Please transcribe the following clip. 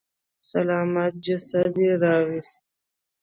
سلامت جسد يې راويست.